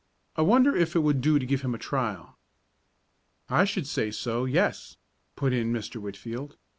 "I wonder if it would do to give him a trial?" "I should say so yes," put in Mr. Whitfield.